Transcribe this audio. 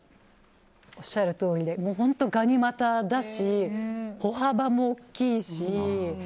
おっしゃるとおりでがに股だし歩幅も大きいし。